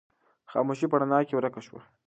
خاموشي په رڼا کې ورکه شوه.